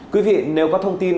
quý vị nếu có thông tin